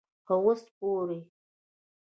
خو اوسه پورې